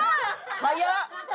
早っ！